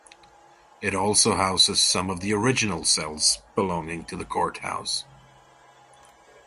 It also houses some of the original cells belonging to the Courthouse.